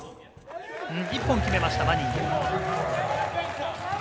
１本決めました、マニング。